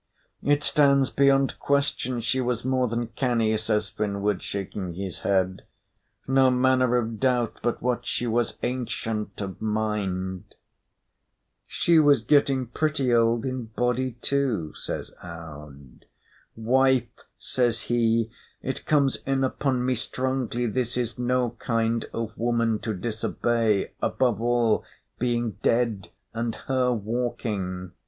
"It stands beyond question she was more than canny," says Finnward, shaking his head. "No manner of doubt but what she was ancient of mind." "She was getting pretty old in body, too," says Aud. "Wife," says he, "it comes in upon me strongly this is no kind of woman to disobey; above all, being dead and her walking.